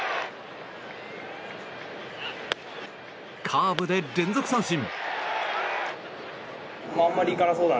カーブで連続三振。